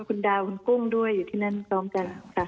คุณดาวคุณกุ้งด้วยอยู่ที่นั่นพร้อมกันค่ะ